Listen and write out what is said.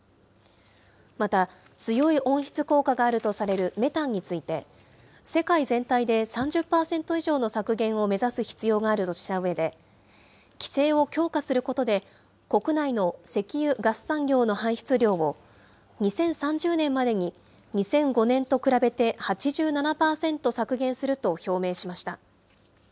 また、強い温室効果があるとされるメタンについて、世界全体で３０％以上の削減を目指す必要があるとしたうえで、規制を強化することで、国内の石油・ガス産業の排出量を、２０３０年までに２００５年と比べて８７％削減すると表明しました。